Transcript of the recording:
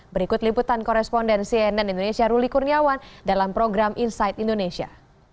berikut liputan koresponden cnn indonesia ruli kurniawan dalam program insight indonesia